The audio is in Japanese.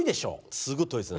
すごい遠いですね。